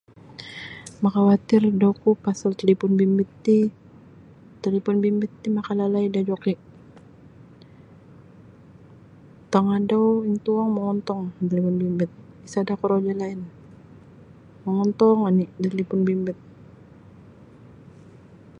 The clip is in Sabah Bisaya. Makawatir da oku pasal talipun bmbit ti talipun bimbit ti makalalai da joki tangadau intuong mongontong da talipun bimbit sada korojo lain mongontong oni da talipun bimbit.